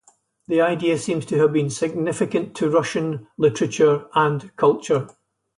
The idea seems to have been significant to Russian literature and culture.